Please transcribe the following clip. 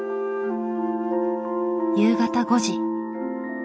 夕方５時。